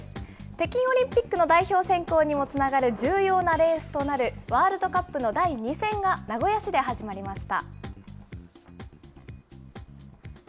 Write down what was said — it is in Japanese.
北京オリンピックの代表選考にもつながる重要なレースとなる、ワールドカップの第２戦が名古屋市で始まりました。